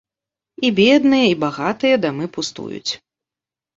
І бедныя, і багатыя дамы пустуюць.